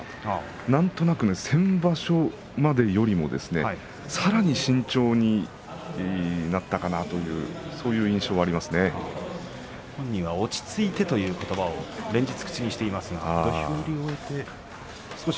何となく、先場所までよりもさらに慎重になったかな本人は落ち着いてということばを連日、口にしています。